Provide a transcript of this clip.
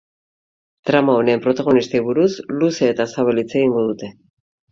Trama honen protagonistei buruz luze eta zabal hitz egingo dute.